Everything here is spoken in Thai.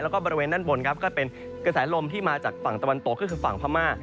แล้วก็บริเวณด้านบนครับก็เป็นกระแสลมที่มาจากฝั่งตะวันตกก็คือฝั่งพม่า